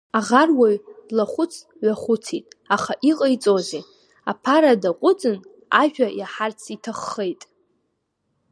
Аӷар уаҩ длахәыц-ҩахәыцит, аха иҟаиҵози, аԥара даҟәыҵын, ажәа иаҳарц иҭаххеит.